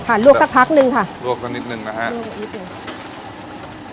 ลวกสักพักหนึ่งค่ะลวกสักนิดนึงนะฮะลวกนิดหนึ่ง